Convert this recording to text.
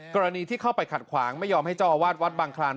กรณีที่เข้าไปขัดขวางไม่ยอมให้เจ้าอาวาสวัดบางคลาน